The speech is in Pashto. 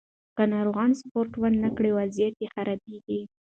که ناروغان سپورت ونه کړي، وضعیت یې خرابېږي.